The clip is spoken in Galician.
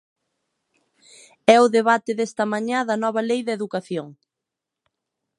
É o debate desta mañá da nova lei de educación.